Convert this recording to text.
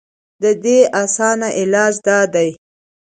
د دې اسان علاج دا دے